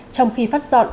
trong khi phát dọn